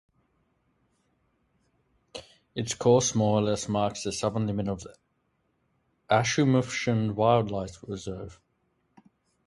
Its course more or less marks the southern limit of the Ashuapmushuan Wildlife Reserve.